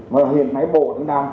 mà hiện nay bộ cũng đang